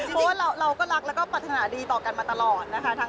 เพราะว่าเราก็รักแล้วก็ปรัฐนาดีต่อกันมาตลอดนะคะ